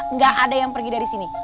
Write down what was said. nggak ada yang pergi dari sini